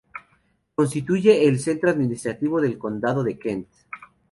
Constituye el centro administrativo del condado de Kent.